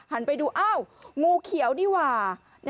ไปดูอ้าวงูเขียวนี่หว่า